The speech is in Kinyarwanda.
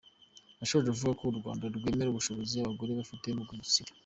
Yashoje avuga ko u Rwanda rwemera ubushobozi abagore bafite mu guhindura sosiyete.